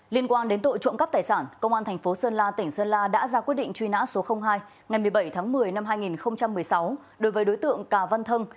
liên quan đến tội trộm cắp tài sản công an thành phố sơn la tỉnh sơn la đã ra quyết định truy nã số hai ngày một mươi bảy tháng một mươi năm hai nghìn một mươi sáu đối với đối tượng cà văn thân